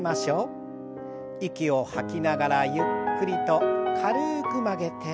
息を吐きながらゆっくりと軽く曲げて。